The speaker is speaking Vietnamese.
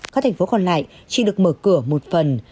các thành phố còn lại chỉ được mở cửa một phần